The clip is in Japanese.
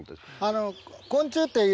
あの。